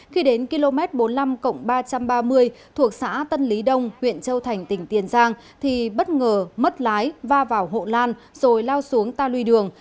khi đến km bốn mươi năm ba trăm ba mươi thuộc xã tân lý đông huyện châu thành tỉnh tiền giang thì bất ngờ mất lái va vào hộ lan rồi lao xuống ta lùi đường